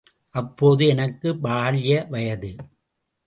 அப்போது எனக்கு பால்ய வயது.